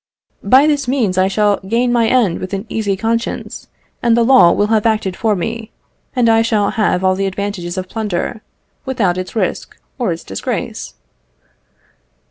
By this means I shall gain my end with an easy conscience, for the law will have acted for me, and I shall have all the advantages of plunder, without its risk or its disgrace!"